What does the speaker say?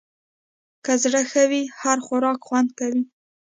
که زړه ښه وي، هر خوراک خوند کوي.